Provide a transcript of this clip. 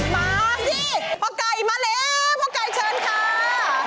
มาที่พ่อไก่มาแล้วพ่อไก่เชิญค่ะ